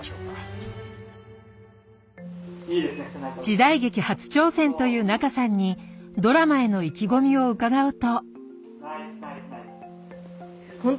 時代劇初挑戦という仲さんにドラマへの意気込みを伺うと。